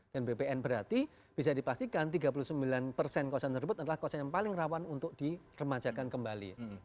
bpn berarti bisa dipastikan tiga puluh sembilan persen kawasan tersebut adalah kawasan yang paling rawan untuk diremajakan kembali